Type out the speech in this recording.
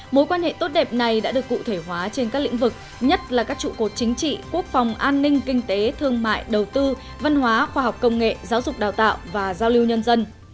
mối quan hệ tốt đẹp này đã được cụ thể hóa trên các lĩnh vực nhất là các trụ cột chính trị quốc phòng an ninh kinh tế thương mại đầu tư văn hóa khoa học công nghệ giáo dục đào tạo và giao lưu nhân dân